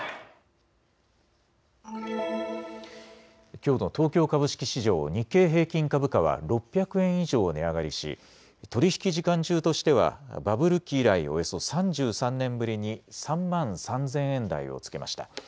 きょうの東京株式市場、日経平均株価は６００円以上値上がりし取り引き時間中としてはバブル期以来およそ３３年ぶりに３万３０００円台をつけました。